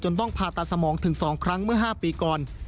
ต้องผ่าตัดสมองถึง๒ครั้งเมื่อ๕ปีก่อน